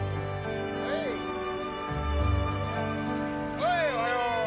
はいおはよう！